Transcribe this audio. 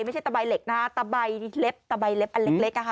ตะใบเหล็กนะคะตะใบเล็บตะใบเล็บอันเล็กอ่ะค่ะ